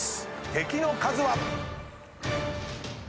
敵の数は。